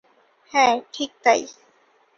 হ্যাঁ, ঠিক তাই।